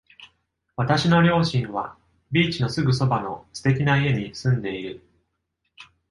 私の両親はビーチのすぐそばの素敵な家に住んでいる。